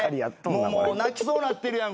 もうもう泣きそうなってるやん